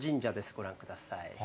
ご覧ください。